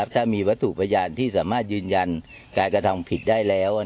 ถ้ามีวัตถุประยาที่ยืนยันการกระทำผิดได้แล้ว